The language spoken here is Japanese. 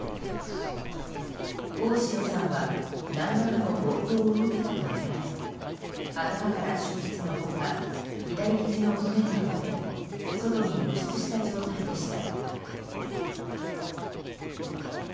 大塩さんは何らかの暴行を受けたとみられ頭から出血の他左ひじの骨が折れ外に露出した状態でした。